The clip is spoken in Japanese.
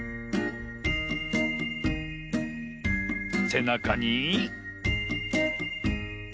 せなかに。